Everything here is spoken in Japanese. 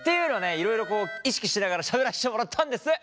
いろいろこう意識しながらしゃべらせてもらったんです。